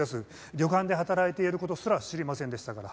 旅館で働いている事すら知りませんでしたから。